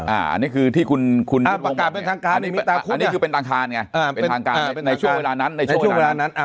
อันนี้คือที่คุณโมงบอกเนี่ยอันนี้คือเป็นทางคารไงเป็นทางคารในช่วงเวลานั้น